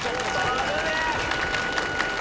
危ねえ！